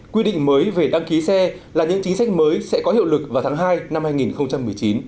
quy định mới về đăng ký xe là những chính sách mới sẽ có hiệu lực vào tháng hai năm hai nghìn một mươi chín